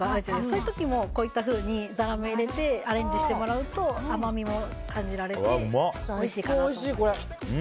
そういう時もこういうふうにザラメを入れてアレンジしてもらうと甘みも感じられておいしいかなと思います。